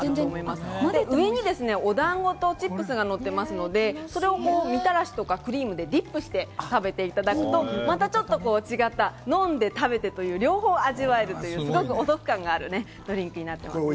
上にお団子とチップスがのっていますので、それをみたらしとかクリームでディップして食べていただくと、またちょっと違った、飲んで食べてという両方味わえるお得感があるドリンクになっております。